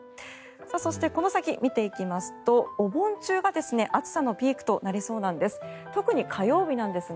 そして、この先見ていきますとお盆中が暑さのピークとなりそうなんです。